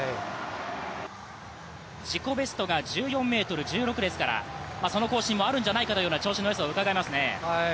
自己ベストが１４ｍ１６ですからその更新もあるんじゃないかという調子の良さもうかがえますね。